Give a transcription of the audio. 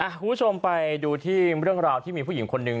คุณผู้ชมไปดูที่เรื่องราวที่มีผู้หญิงคนหนึ่ง